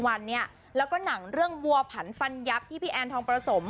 เรายังมาอัพเดทละครที่ถ่ายกับพี่เจนี่